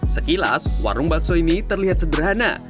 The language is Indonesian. sekilas warung bakso ini terlihat sederhana